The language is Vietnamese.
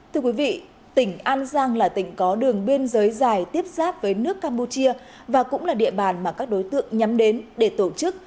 thưa quý vị tỉnh an giang là tỉnh có đường biên giới dài tiếp xác với nước campuchia và cũng là địa bàn mà các đối tượng nhắm đến để tổ chức